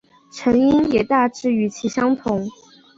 成因也大致与此相同。